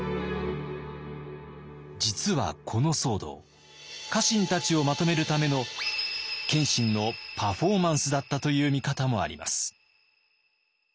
実はこの騒動家臣たちをまとめるための謙信のパフォーマンスだったという見方もあります。